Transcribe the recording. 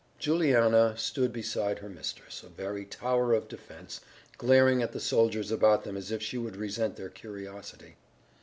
Juliana stood beside her mistress, a very tower of defense, glaring at the soldiers about them as if she would resent their curiosity.